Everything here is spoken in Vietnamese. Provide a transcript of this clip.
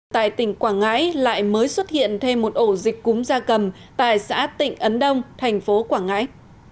tại tỉnh quảng ngãi lại mới xuất hiện thêm một ổ dịch cúm da cầm tại xã tịnh ấn đông thành phố quảng ngãi